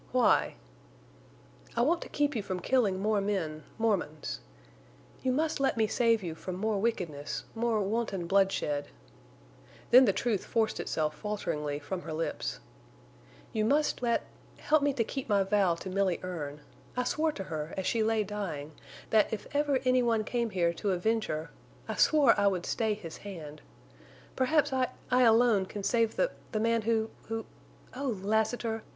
"Why?" "I want to keep you from killing more men—Mormons. You must let me save you from more wickedness—more wanton bloodshed—" Then the truth forced itself falteringly from her lips. "You must—let—help me to keep my vow to Milly Erne. I swore to her—as she lay dying—that if ever any one came here to avenge her—I swore I would stay his hand. Perhaps I—I alone can save the—the man who—who—Oh, Lassiter!...